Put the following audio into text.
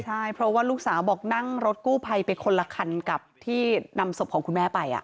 ใช่เพราะว่าลูกสาวบอกนั่งรถกู้ภัยไปคนละคันกับที่นำศพของคุณแม่ไป